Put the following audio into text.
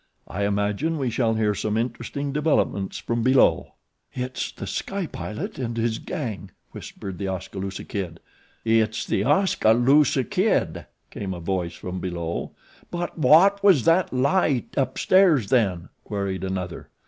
I imagine we shall hear some interesting developments from below." "It's The Sky Pilot and his gang," whispered The Oskaloosa Kid. "It's The Oskaloosa Kid," came a voice from below. "But wot was that light upstairs then?" queried another.